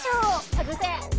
外せ。